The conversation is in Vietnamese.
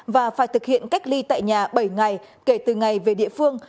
và phải thực hiện cách ly tại nhà bảy ngày kể từ ngày về địa phương